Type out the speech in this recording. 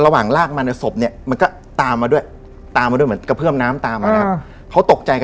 เวลาอยู่ไป